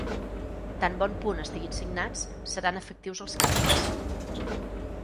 Tant bon punt estiguin signats, seran efectius els canvis.